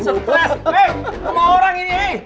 hei semua orang ini